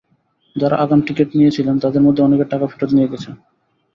যাঁরা আগাম টিকিট নিয়েছিলেন, তাঁদের মধ্যে অনেকে টাকা ফেরত নিয়ে গেছেন।